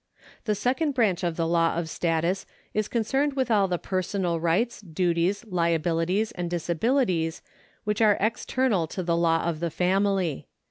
The second branch of the law of status is concerned with all the personal rights, duties, liabilities, and disabilities, which are external to the law of the family.